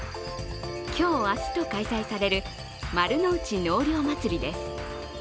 今日明日と開催される丸の内納涼まつりです。